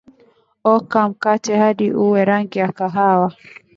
oka mkate hadi uwe rangi ya kahawia